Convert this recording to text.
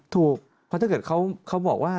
ถูกเพราะถ้าเกิดเขาบอกว่า